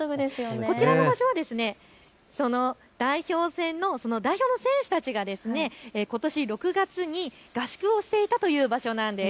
こちらの場所はその代表の選手たちがことし６月に合宿をしていたという場所なんです。